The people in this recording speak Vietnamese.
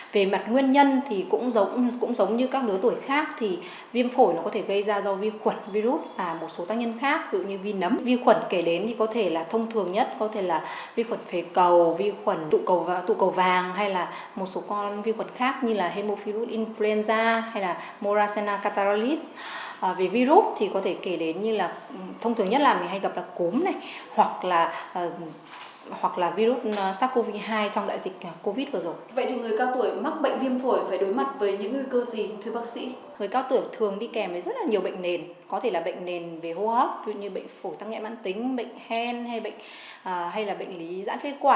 vậy thì người cao tuổi mắc bệnh viêm phổi phải đối mặt với những ưu cơ gì